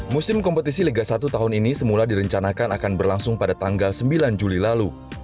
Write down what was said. musim kompetisi liga satu tahun ini semula direncanakan akan berlangsung pada tanggal sembilan juli lalu